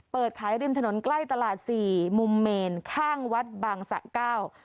เปิดขายริมถนนใกล้ตลาดสี่มุมเมนข้างวัดบางสะเก้า